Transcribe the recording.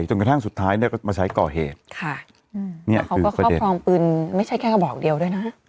จนกระทั่งสุดท้ายเนี่ยก็มาใช้ก่อเหตุค่ะเนี่ยเขาก็ครอบครองปืนไม่ใช่แค่กระบอกเดียวด้วยนะ